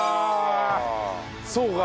そうか。